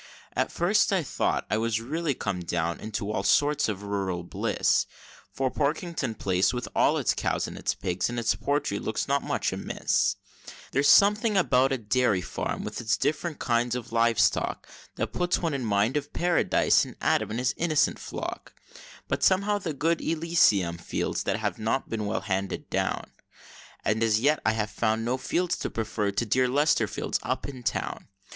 At first I thought I was really come down into all sorts of rural bliss, For Porkington Place, with its cows and its pigs, and its poultry, looks not much amiss; There's something about a dairy farm, with its different kinds of live stock, That puts one in mind of Paradise, and Adam and his innocent flock; But somehow the good old Elysium fields have not been well handed down, And as yet I have found no fields to prefer to dear Leicester Fields up in town.